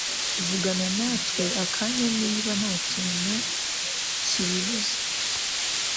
vugana natwe akanya niba ntakintu kibibuza